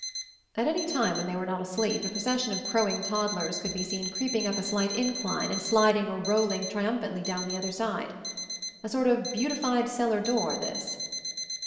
At any time when they were not asleep a procession of crowing toddlers could be seen creeping up a slight incline and sliding or rolling triumphantly down the other side. A sort of beautified cellar door, this.